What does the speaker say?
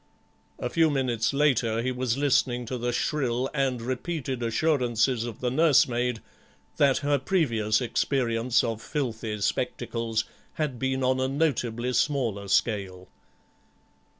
A few minutes later he was listening to the shrill and repeated assurances of the nursemaid that her previous experience of filthy spectacles had been on a notably smaller scale.